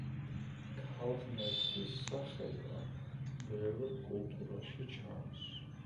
ქალღმერთის სახება ბევრ კულტურაში ჩანს.